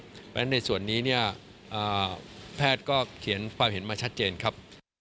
เพราะฉะนั้นในส่วนนี้เนี่ยแพทย์ก็เขียนความเห็นมาชัดเจนครับ